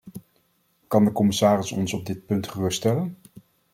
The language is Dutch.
Kan de commissaris ons op dit punt geruststellen?